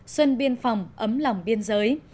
xuân biên phòng ấm lòng biên giới